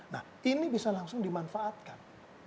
nah ini bisa langsung dimanfaatkan